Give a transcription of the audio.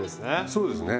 そうですね。